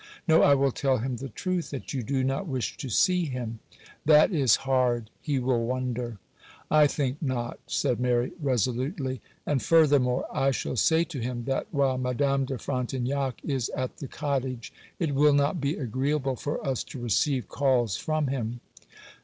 'No; I will tell him the truth,—that you do not wish to see him.' 'That is hard,—he will wonder.' 'I think not,' said Mary, resolutely; 'and furthermore I shall say to him that, while Madame de Frontignac is at the cottage, it will not be agreeable for us to receive calls from him.